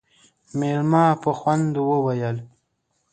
مېلمه په خوند وويل: